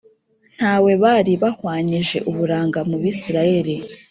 Nta we bari bahwanyije uburanga mu Bisirayeli